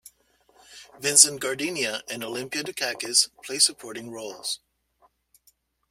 Vincent Gardenia and Olympia Dukakis play supporting roles.